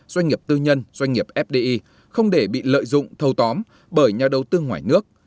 doanh nghiệp tư nhân doanh nghiệp fdi không để bị lợi dụng thâu tóm bởi nhà đầu tư ngoài nước